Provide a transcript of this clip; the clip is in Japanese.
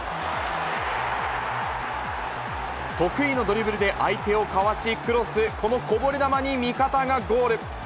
得意のドリブルで相手をかわしクロス、このこぼれ球に味方がゴール。